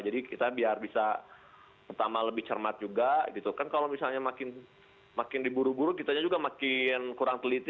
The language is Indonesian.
jadi kita biar bisa pertama lebih cermat juga gitu kan kalau misalnya makin diburu buru kitanya juga makin kurang teliti gitu ya